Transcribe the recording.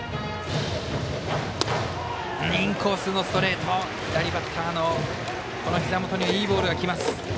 インコースのストレート左バッターのひざ元にはいいボールがきます。